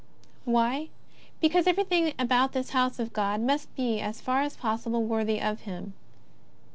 Why? Because everything about this house of God must be as far as possible worthy of Him.